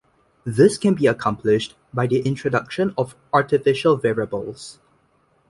This can be accomplished by the introduction of "artificial variables".